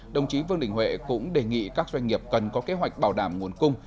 đồng chí vương đình huệ cũng đề nghị các doanh nghiệp cần có kế hoạch bảo đảm nguồn cung